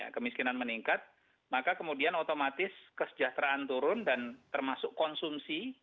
kemiskinan meningkat maka kemudian otomatis kesejahteraan turun dan termasuk konsumsi